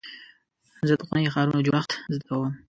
زه د پخوانیو ښارونو جوړښت زده کوم.